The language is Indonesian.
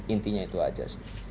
intinya itu saja